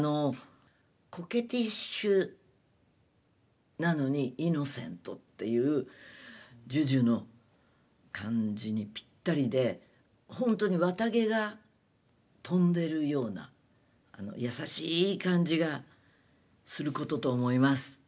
コケティッシュなのにイノセントっていうＪＵＪＵの感じにぴったりでほんとに綿毛が飛んでるような優しい感じがすることと思います。